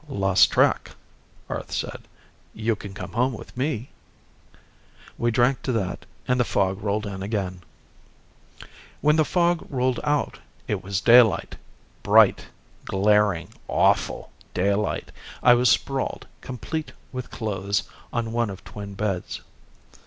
"Lost track," Arth said. "You can come home with me." We drank to that and the fog rolled in again. When the fog rolled out, it was daylight. Bright, glaring, awful daylight. I was sprawled, complete with clothes, on one of twin beds.